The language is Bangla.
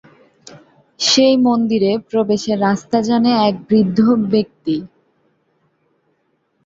সেই মন্দিরে প্রবেশের রাস্তা জানে এক বৃদ্ধ ব্যক্তি।